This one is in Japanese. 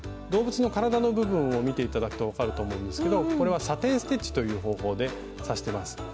動物の体の部分を見て頂くと分かると思うんですけどこれはサテン・ステッチという方法で刺してます。